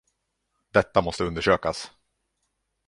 Detta måste undersökas!